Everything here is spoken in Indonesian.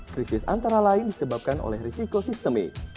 krisis antara lain disebabkan oleh risiko sistemik